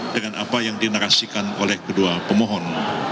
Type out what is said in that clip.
dengan apa yang dinarasikan oleh kedua pemohon